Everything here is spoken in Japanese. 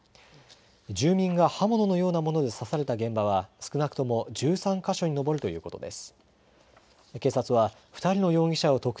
住民が刃物のようなもので刺された現場は少なくとも１３か所に上るということです。